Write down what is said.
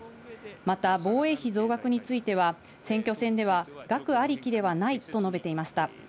また防衛費増額については、選挙戦では、額ありきではないと述べていました。